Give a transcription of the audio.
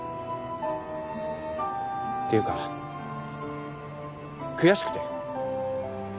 っていうか悔しくて。